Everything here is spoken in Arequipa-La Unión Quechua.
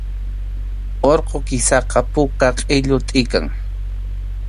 Urqu kisaqa puka qʼilluta tʼikan